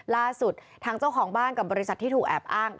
ล่าสุดทางเจ้าของบ้านกับบริษัทที่ถูกแอบอ้าง